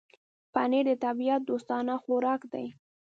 پنېر د طبيعت دوستانه خوراک دی.